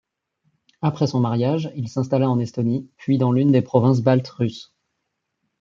Après son mariage, il s'installa en Estonie, puis dans l'une des provinces baltes russes.